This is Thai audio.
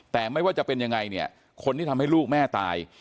แต่ไม่ว่าจะเป็นยังไงเนี่ยคนที่ทำให้ลูกแม่ตาย